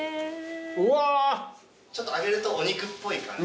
ちょっと揚げるとお肉っぽい感じ。